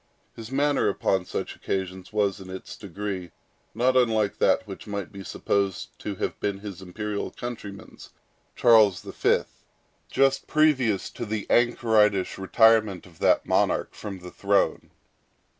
His manner upon such occasions was, in its degree, not unlike that which might be supposed to have been his imperial countryman's, Charles V., just previous to the anchoritish retirement of that monarch from the throne.